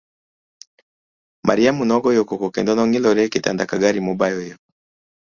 Mariamu nogoyo koko kendo nong'ielore e kitanda ka gari mobayo yoo.